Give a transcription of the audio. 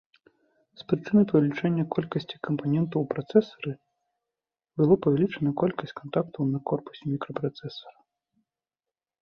З прычыны павелічэння колькасці кампанентаў у працэсары, было павялічана колькасць кантактаў на корпусе мікрапрацэсара.